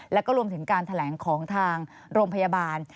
แล้วก็รวมถึงการแถลงของทางโรงพยาบาล